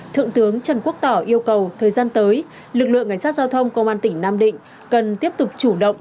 thượng tướng trần quốc tỏ yêu cầu thời gian tới lực lượng cảnh sát giao thông công an tỉnh nam định cần tiếp tục chủ động